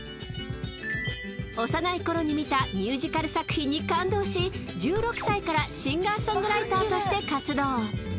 幼いころに見たミュージカル作品に感動し１６歳からシンガーソングライターとして活動。